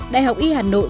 đại học y hà nội